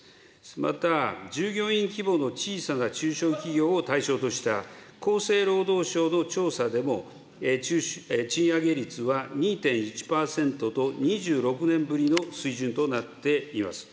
また従業員規模の小さな中小企業を対象とした厚生労働省の調査でも、賃上げ率は２．１％と２６年ぶりの水準となっています。